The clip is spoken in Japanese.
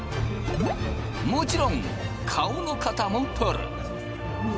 もちろん顔の型も取る。